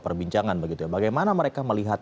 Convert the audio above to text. perbincangan begitu ya bagaimana mereka melihat